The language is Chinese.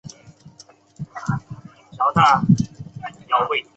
莫氏蓝带蚊是婆罗洲沙巴特有的的蓝带蚊属物种。